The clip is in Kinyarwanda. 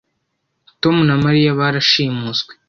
Tom na Mariya barashimuswe